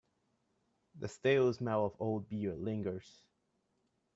The stale smell of old beer lingers.